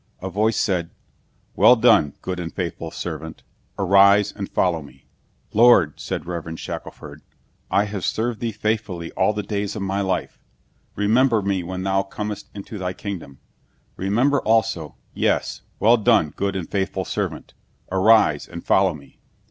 A voice said, "Well done, good and faithful servant. Arise and follow me." "Lord," said Reverend Shackelford, "I have served thee faithfully all the days of my life. Remember me when thou comest into thy kingdom. Remember also " "Yes. Well done, good and faithful servant. Arise and follow me."